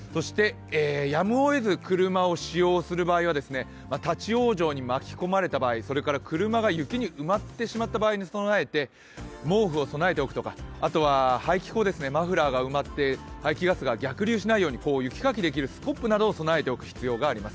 やむをえず車を使用する場合は立往生に巻き込まれた場合、それから車が行きに埋まってしまった場合に備えて毛布を備えておくとか排気口、マフラーが埋まって排気ガスが逆流しないように、雪かきするスコップなどを備えておく必要があります。